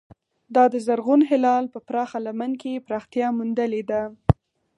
دا د زرغون هلال په پراخه لمن کې پراختیا موندلې ده.